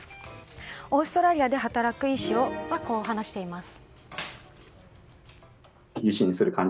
オーストラリアで働く医師はこう話しています。